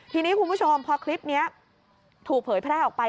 ทีนี้คุณผู้ชมพอคลิปนี้ถูกเผยแพร่ออกไป